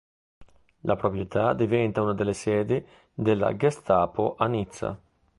La proprietà diventa una delle sedi della Gestapo a Nizza.